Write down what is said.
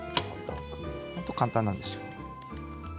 本当に簡単なんですよ。